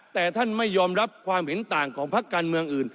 แต่ท่านไม่ยอมรับความเห็นต่างของพักการเมืองอื่น